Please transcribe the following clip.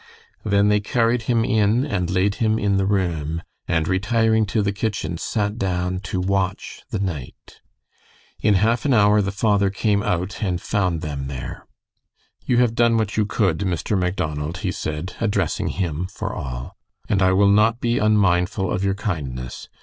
Then they carried him in and laid him in the "room," and retiring to the kitchen, sat down to watch the night. In half an hour the father came out and found them there. "You have done what you could, Mr. Macdonald," he said, addressing him for all, "and I will not be unmindful of your kindness.